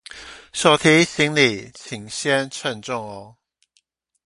手提行李請先稱重喔